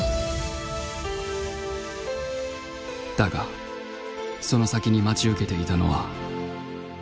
だがその先に待ち受けていたのは。